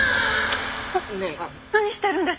何してるんです！？